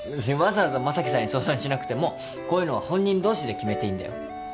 べつにわざわざ将貴さんに相談しなくてもこういうのは本人同士で決めていいんだよ。